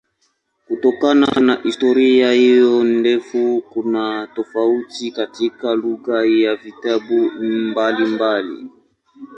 Kutokana na historia hiyo ndefu kuna tofauti katika lugha ya vitabu mbalimbali.